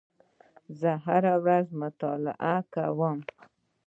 زه هره ورځ مطالعه کوم.